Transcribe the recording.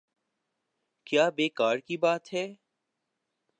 کیا بیکار کی بات ہے۔